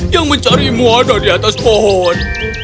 yang mencarimu ada di atas pohon